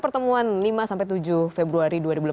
pertemuan lima tujuh februari